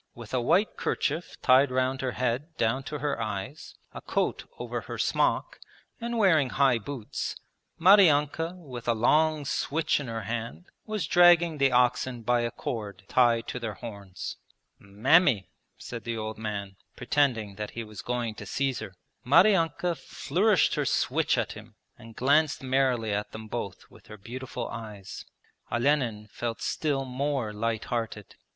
With a white kerchief tied round her head down to her eyes, a coat over her smock, and wearing high boots, Maryanka with a long switch in her hand was dragging the oxen by a cord tied to their horns. 'Mammy,' said the old man, pretending that he was going to seize her. Maryanka flourished her switch at him and glanced merrily at them both with her beautiful eyes. Olenin felt still more light hearted.